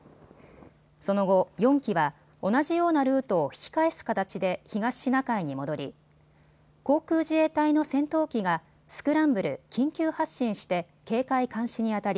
その後、４機は同じようなルートを引き返す形で東シナ海に戻り、航空自衛隊の戦闘機がスクランブル・緊急発進して警戒監視にあたり